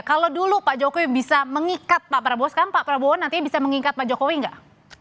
kalau dulu pak jokowi bisa mengikat pak prabowo sekarang pak prabowo nantinya bisa mengikat pak jokowi nggak